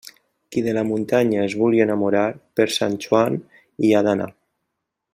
Qui de la muntanya es vulgui enamorar, per Sant Joan hi ha d'anar.